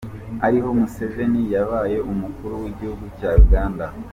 Ariho Museveni yabaye umukuru w’igihugu cya Uganda.